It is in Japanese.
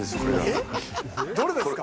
えっ、どれですか？